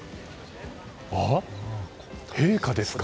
あっ、陛下ですか？